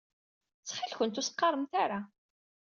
Ttxil-kent ur s-qqaṛemt ara.